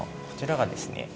こちらがですね。